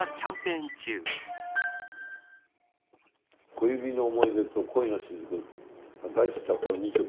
『小指の想い出』と『恋のしずく』大ヒットはこの２曲。